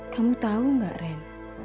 kamu tau gak ren